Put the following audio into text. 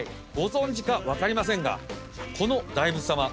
ご存じか分かりませんがこの大仏様。